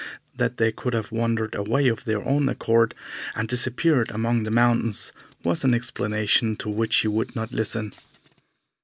That they could have wandered away of their own accord and disappeared among the mountains was an explanation to which he would not listen.